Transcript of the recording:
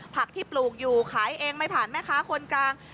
ผักที่ปลูกอยู่ขายเองไม่ผ่านแม่ค้าคนกลาง